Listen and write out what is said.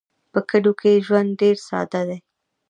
په کلیو کې ژوند ډېر ساده دی.